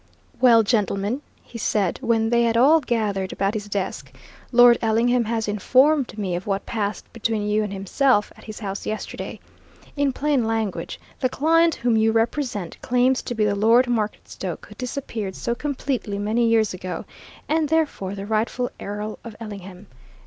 "Well, gentlemen," he said, when they had all gathered about his desk. "Lord Ellingham has informed me of what passed between you and himself at his house yesterday. In plain language, the client whom you represent claims to be the Lord Marketstoke who disappeared so completely many years ago, and therefore the rightful Earl of Ellingham.